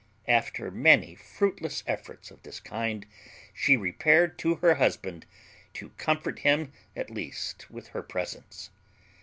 After many fruitless efforts of this kind she repaired to her husband, to comfort him at least with her presence.